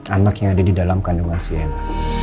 anak yang ada di dalam kandungan sienna